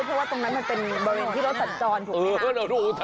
เพราะว่าตรงนั้นมันเป็นเบอร์เลนท์ที่เราสัดจรถูกค่ะ